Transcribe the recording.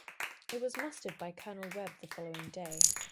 It was mustered by Colonel Webb the following day.